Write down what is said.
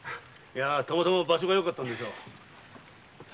ちょうど場所がよかったんでしょう。